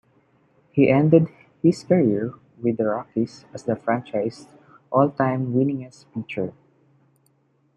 He ended his career with the Rockies as the franchise's all-time winningest pitcher.